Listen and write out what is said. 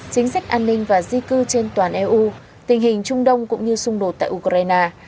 chính sách an ninh và di cư trên toàn eu tình hình trung đông cũng như xung đột tại ukraine